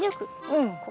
うん。